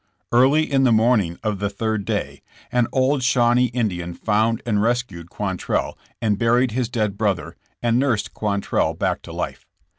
Early in the morning of the third day an old Shawnee Indian found and rescued Quantrell and buried his dead brother, and nursed Quantrell back to life.